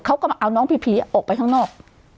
เขาก็มาเอาน้องผีออกไปข้างนอก